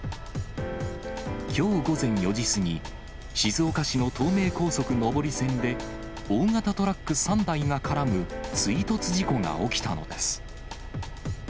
きょう午前４時過ぎ、静岡市の東名高速上り線で、大型トラック３台が絡む追突事故が起きたのです。